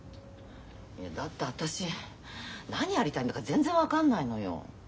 いやだって私何やりたいんだか全然分かんないのよ。